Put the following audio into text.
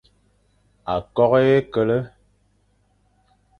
Akok h e kele,